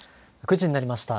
９時になりました。